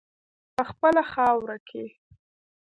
په خپله خاوره کې.